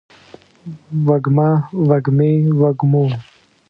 وږمه، وږمې ، وږمو